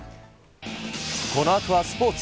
このあとはスポーツ。